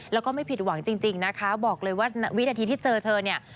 แล้วก็ไม่ผิดหวังจริงนะคะบอกเลยว่าวินาทีที่เจอเธอเนี่ย